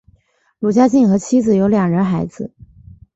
卢家进和妻子有两人孩子。